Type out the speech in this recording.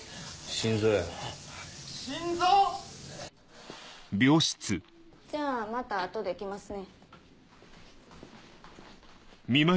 心臓⁉じゃあまた後で来ますね。